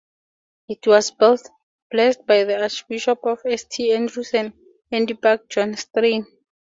It was blessed by the Archbishop of St Andrews and Edinburgh John Strain.